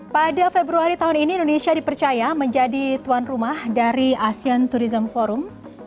pada februari tahun ini indonesia dipercaya menjadi tuan rumah dari asean tourism forum dua ribu dua puluh tiga